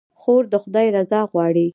خور د خدای رضا غواړي.